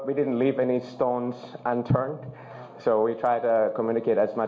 มีเวลาที่ถูกต้องที่มันเป็นเวลาที่มีเวลาที่สุด